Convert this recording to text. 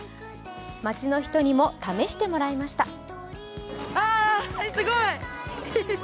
街の人にも試してもらいました。